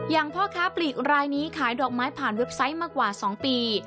พ่อค้าปลีกรายนี้ขายดอกไม้ผ่านเว็บไซต์มากว่า๒ปี